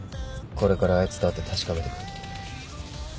これからあいつと会って確かめてくる。